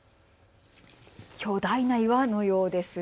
巨大な岩のようですが。